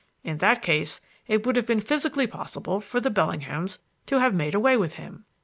In that case it would have been physically possible for the Bellinghams to have made away with him.